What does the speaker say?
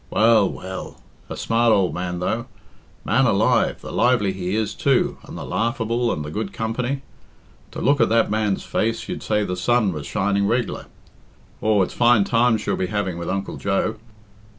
Well, well! A smart ould man, though. Man alive, the lively he is, too, and the laughable, and the good company. To look at that man's face you'd say the sun was shining reg'lar. Aw, it's fine times she'll be having with Uncle Joe.